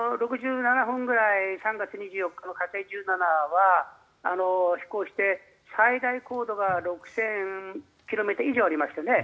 ６７分ぐらい、３月２４日の火星１７は飛行して最大高度が６０００ｋｍ以上ありましたね。